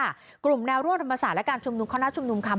สวัสดีค่ะกลุ่มแนวร่วมธรรมศาสตร์และการชมนุมข้อหน้าชมนุมคำ